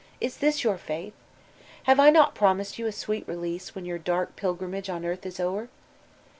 Is Uiis your faith? Have I not promised you a sweet release when your dark pilgrimage on earth is o'er?